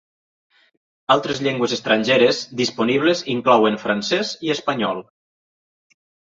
Altres llengües estrangeres disponibles inclouen francès i espanyol.